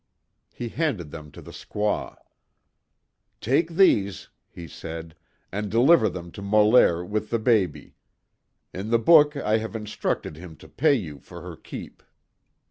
He handed them to the squaw: "Take these," he said, "and deliver them to Molaire with the baby. In the book I have instructed him to pay you for her keep."